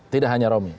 tidak hanya romy